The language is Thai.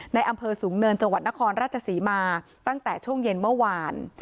ในอำเภอสูงเนินจังหวัดนครราชศรีมาตั้งแต่ช่วงเย็นเมื่อวาน